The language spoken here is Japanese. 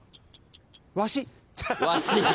わし。